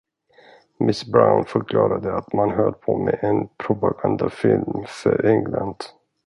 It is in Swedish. Miss Brown förklarade att man höll på med en propagandafilm för England.